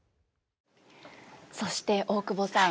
そして大久保さん